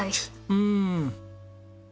うん。